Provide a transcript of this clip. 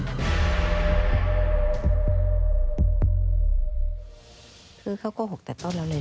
คือเขาก้โกหกแต่ต้นแล้วเลย